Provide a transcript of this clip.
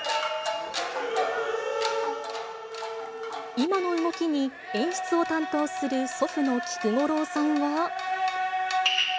今の動きに、演出を担当する祖父の菊五郎さんは。